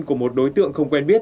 của một đối tượng không quen biết